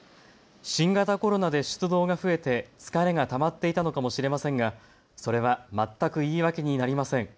新型コロナで出動が増えて疲れがたまっていたのかもしれませんが、それは全く言い訳になりません。